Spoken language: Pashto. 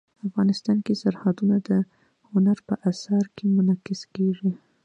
افغانستان کې سرحدونه د هنر په اثار کې منعکس کېږي.